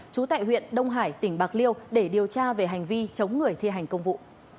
trú tại huyện đông hải tỉnh bạc liêu để điều tra về hành vi chống người thi hành công vụ